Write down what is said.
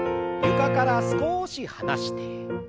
床から少し離して。